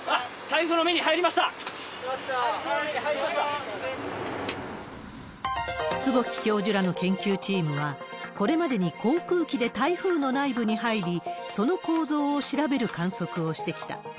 台風の目に入り坪木教授らの研究チームは、これまでに航空機で台風の内部に入り、その構造を調べる観測をしてきた。